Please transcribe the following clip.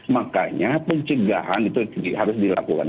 makanya pencegahan itu harus dilakukan